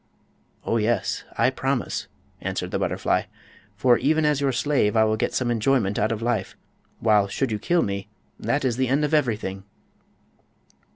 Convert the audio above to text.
"Oh, yes; I promise," answered the butterfly; "for even as your slave I will get some enjoyment out of life, while should you kill me—that is the end of everything!"